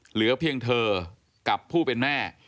เหลือเพียงเธอกับผู้เป็นแม่